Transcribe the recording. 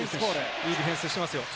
いいディフェンスしてますよ。